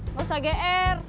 nggak usah geer